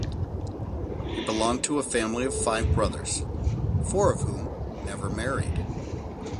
He belonged to a family of five brothers, four of whom never married